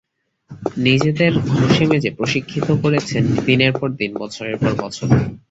নিজেদের ঘষে মেজে প্রশিক্ষিত করেছেন দিনের পর দিন, বছরের পর বছর।